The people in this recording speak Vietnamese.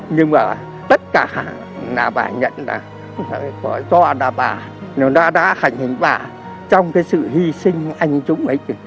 nhưng mà tất cả là bài nhận là do là bà nó đã hành hình bà trong cái sự hy sinh anh chúng ấy